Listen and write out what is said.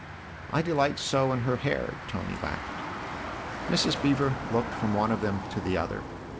" I delight so in her hair !" Tony laughed. Mrs. Beever looked from one of them to the other.